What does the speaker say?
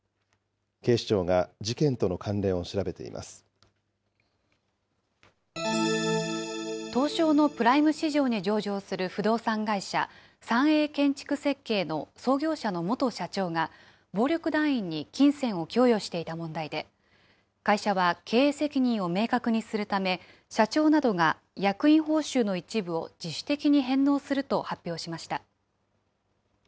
警視庁が事件との関連を調べてい東証のプライム市場に上場する不動産会社、三栄建築設計の創業者の元社長が、暴力団員に金銭を供与していた問題で、会社は経営責任を明確にするため、社長などが役員報酬の一部を自主的に返納すると発表しました。